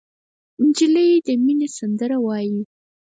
نجلۍ د مینې سندره وایي.